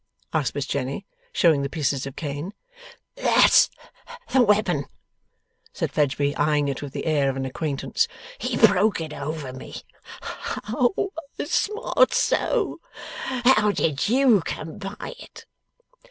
asked Miss Jenny, showing the pieces of cane. 'That's the weapon,' said Fledgeby, eyeing it with the air of an acquaintance. 'He broke it over me. Oh I smart so! How did you come by it?